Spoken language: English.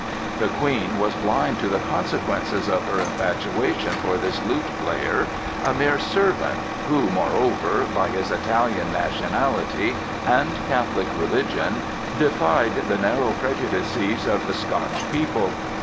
The Queen was blind to the consequences of her infatuation for this lute player, a mere servant, who moreover, by his Italian nationality and Catholic religion, defied the narrow prejudices of the Scotch people.